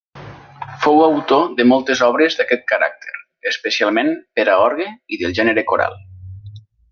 Fou autor de moltes obres d'aquest caràcter, especialment per a orgue i del gènere coral.